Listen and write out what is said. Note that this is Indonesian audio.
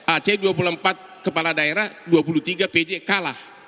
aceh dua puluh empat kepala daerah dua puluh tiga pj kalah